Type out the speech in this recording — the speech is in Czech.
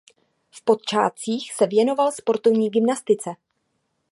V počátcích se věnoval sportovní gymnastice.